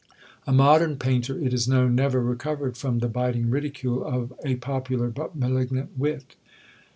A modern painter, it is known, never recovered from the biting ridicule of a popular, but malignant wit.